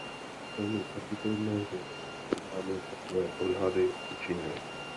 Je velmi pravděpodobné, že řecké orgány takové odhady učinily.